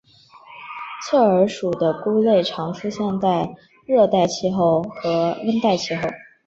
侧耳属的菇类常出现在热带气候和温带气候。